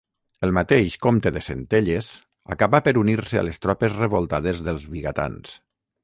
El mateix Comte de Centelles acabà per unir-se a les tropes revoltades dels Vigatans.